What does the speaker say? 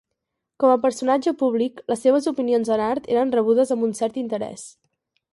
Com a personatge públic, les seves opinions en art eren rebudes amb un cert interés.